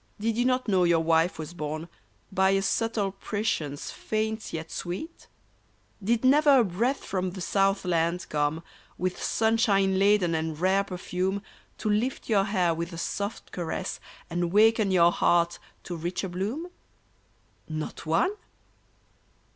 Did you not know your wife was born. By a subtile prescience, faint yet sweet ? Did never a breath from the south land come, With sunshine laden and rare perfume^ To lift your hair with a soft caress, And waken your heart to richer bloom ? 230 MY BIRTHDAY Not one